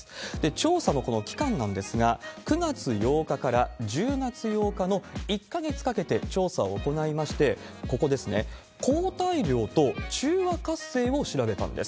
調査のこの期間なんですが、９月８日から１０月８日の１か月かけて調査を行いまして、ここですね、抗体量と中和活性を調べたんです。